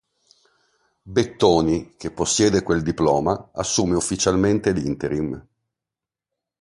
Bettoni, che possiede quel diploma, assume ufficialmente l'interim.